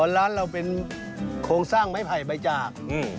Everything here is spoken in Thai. ร้านเราเป็นโครงสร้างไม้ไผ่ใบจาก